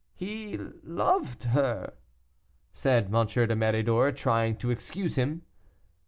"He loved her," said M. de Méridor, trying to excuse him.